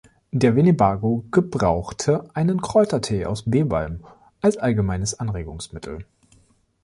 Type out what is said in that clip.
Der Winnebago gebrauchte einen Kräutertee aus Bebalm als allgemeines Anregungsmittel.